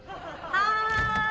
はい。